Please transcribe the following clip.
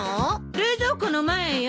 冷蔵庫の前よ。